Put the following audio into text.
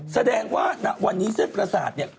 แสดงว่าวันนี้เส้นปรศาสตร์